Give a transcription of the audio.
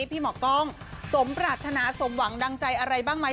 พี่หมอกล้องสมปรารถนาสมหวังดังใจอะไรบ้างไหม